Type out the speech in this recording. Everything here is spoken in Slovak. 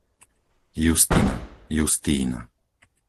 Justina, Justína